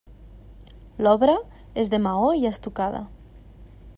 L'obra és de maó i estucada.